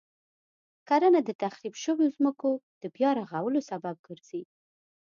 کرنه د تخریب شويو ځمکو د بیا رغولو سبب ګرځي.